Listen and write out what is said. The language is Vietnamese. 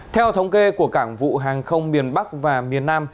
theo thống kê của cảng vụ hàng không miền bắc và miền nam